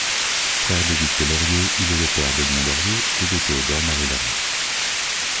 Frère d’Auguste Lorieux, il est le père d'Edmond Lorieux et de Théodore-Marie Lorieux.